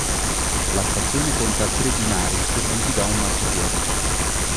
La stazione conta tre binari, serviti da un marciapiede.